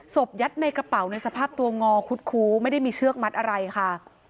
ยัดในกระเป๋าในสภาพตัวงอคุดคู้ไม่ได้มีเชือกมัดอะไรค่ะ